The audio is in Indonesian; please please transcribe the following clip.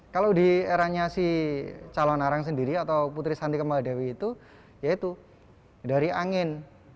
penerangan calon arang sendiri atau putri shanti kemaladewi itu yaitu dari angin